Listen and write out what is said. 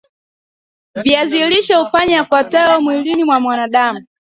viazi lishe hufanya yafuatayo mwilini mwa mwanadam